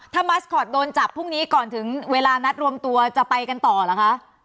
ถ้ามัสคอตโดนจับพรุ่งนี้ก่อนถึงเวลานัดรวมตัวจะไปกันต่อเหรอคะ